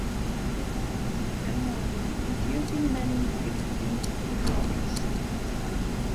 The model is used in many disciplines of economics.